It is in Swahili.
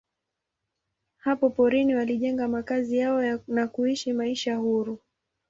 Hapa porini walijenga makazi yao na kuishi maisha huru.